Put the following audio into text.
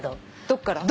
どっから？